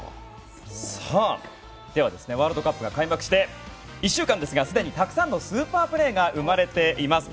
ではワールドカップが開幕して１週間ですがすでにたくさんのスーパープレーが生まれています。